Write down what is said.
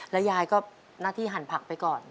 ยายก็หน้าที่หั่นผักไปก่อน